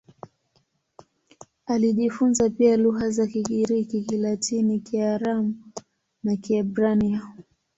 Alijifunza pia lugha za Kigiriki, Kilatini, Kiaramu na Kiebrania.